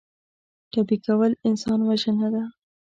ټپي کول انسان وژنه ده.